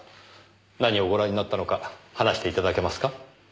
何をご覧になったのか話していただけますか？